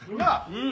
うん！